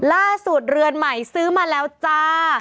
ล่าสุดเรือนใหม่ซื้อมาแล้วจ้า